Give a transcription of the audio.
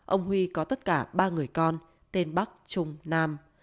ông huy có tất cả ba người con tên bắc trung nam